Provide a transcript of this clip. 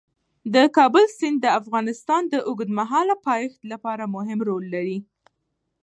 د کابل سیند د افغانستان د اوږدمهاله پایښت لپاره مهم رول لري.